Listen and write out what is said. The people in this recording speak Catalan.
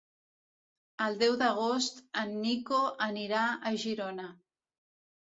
El deu d'agost en Nico anirà a Girona.